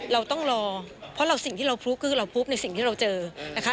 เราต้องรอเพราะสิ่งที่เราพลุก็คือเราพลุในสิ่งที่เราเจอนะคะ